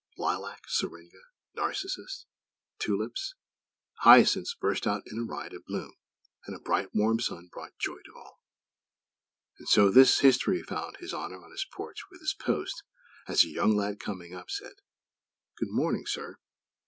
Lilac, syringa, narcissus, tulips, hyacinths burst out in a riot of bloom; and a bright warm Sun brought joy to all. And so this history found His Honor on his porch with his "Post" as a young lad, coming up, said; "Good morning, sir.